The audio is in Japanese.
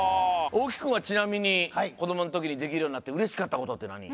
大木くんはちなみにこどものときにできるようになってうれしかったことってなに？